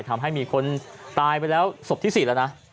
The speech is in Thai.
ทำให้มีคนตายไปแล้วศพที่๔แล้วนะ